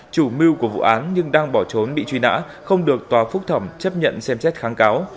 chủ mưu của vụ án nhưng đang bỏ trốn bị truy nã không được tòa phúc thẩm chấp nhận xem xét kháng cáo